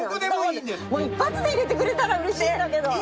一発で入れてくれたらうれしいんだけど。